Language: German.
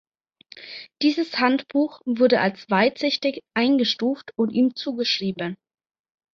Dieses Handbuch wurde als weitsichtig eingestuft und ihm zugeschrieben.